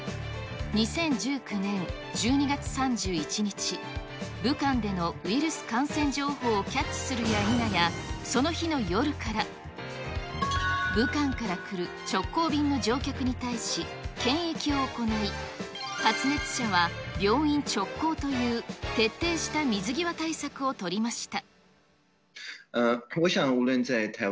２０１９年１２月３１日、武漢でのウイルス感染情報をキャッチするやいなや、その日の夜から、武漢から来る直行便の乗客に対し、検疫を行い、発熱者は病院直行という、徹底した水際対策を取りました。